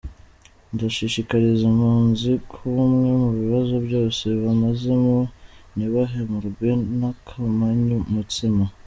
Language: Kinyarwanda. Ndashishikariza impunzi kuba umwe mu bibazo byose bamazemo ntibahemurwe n’akamanyu mutsima.